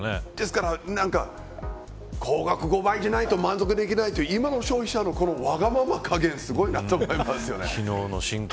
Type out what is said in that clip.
光学５倍じゃないと満足できないという今の消費者のわがまま加減はすごいなと思います。